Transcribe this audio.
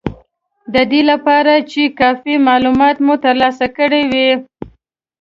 د دې لپاره چې کافي مالومات مو ترلاسه کړي وي